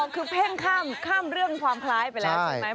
คือเพ่งข้ามเรื่องความคล้ายไปแล้วใช่ไหม